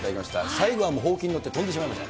最後はほうきに乗って飛んでしまいました。